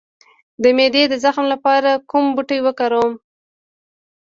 د معدې د زخم لپاره کوم بوټی وکاروم؟